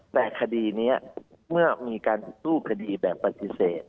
แต่คดีนี้เมื่อมีการสู้คดีแบบปฏิเสธ